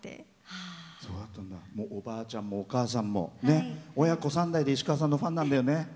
おばあちゃんもお母さんもね親子３代で石川さんのファンなんだよね。